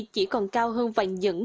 chỉ còn cao hơn vàng nhẫn